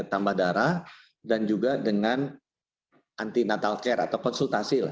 tambah darah dan juga dengan anti natal care atau konsultasi lah